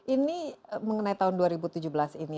ini mengenai tahun dua ribu tujuh belas ini